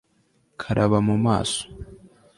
karaba mu maso